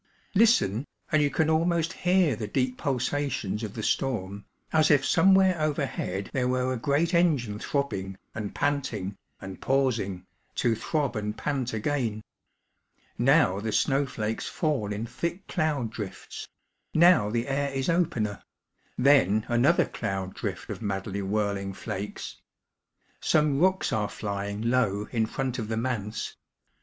Listen, and you can almost hear the deep pulsations of the storm, as if somewhere overhead there were a great engine throbbing, and panting, and pausing> to throb and pant again. Now the snowflakes fall in thick cloud drifts ; now the air is opener ; then another cloud drift of mayfly whirling fliakes. Some rooks are flying low in front of the manse.